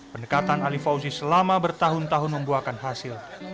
pendekatan ali fauzi selama bertahun tahun membuahkan hasil